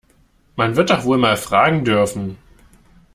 Man wird doch wohl mal fragen dürfen!